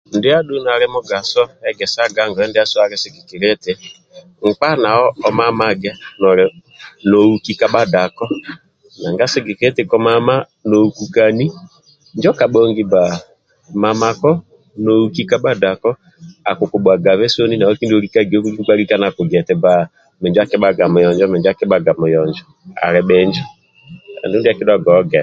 Ndia adhu nali mugaso ogisaga nkoye ndiasu ali sigikilia eti nkpa nawe omamage nouki ka bhadako nanga sigikilia eti komama noukukani, injo kabhongi bba mamako nouki ka bhadako akukubhuwagabe soni nawe kindiolikio buli nkpa alika nalia kigia eti bba minjo akibhaga muyonjo akibhaga muyonjo ali bhinjo andu ndia akidhuwaga ohoge.